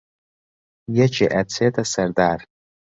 یەکێ ئەچێتە سەر دار